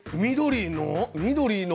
緑の？